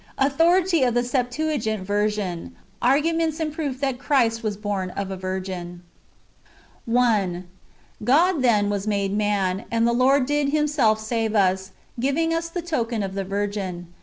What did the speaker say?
Authority of the Septuagint ver sion. Arguments in proof that Christ icas horn of a virgin. 1. God, then, was made man, and the Lord did Himself save us, giving us the token of the Virgin.